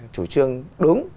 chủ trương đúng